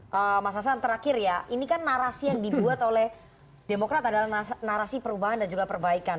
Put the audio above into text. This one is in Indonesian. mas hasan terakhir ya ini kan narasi yang dibuat oleh demokrat adalah narasi perubahan dan juga perbaikan